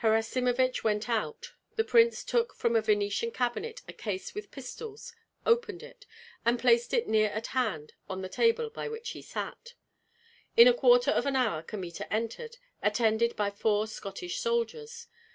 Harasimovich went out. The prince took from a Venetian cabinet a case with pistols, opened it, and placed it near at hand on the table by which he sat. In a quarter of an hour Kmita entered, attended by four Scottish soldiers.